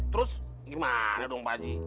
terus gimana dong pak haji